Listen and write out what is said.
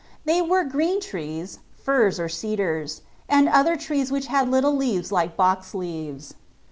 They were green trees (firs or cedars), and other trees which had little leaves like box leaves.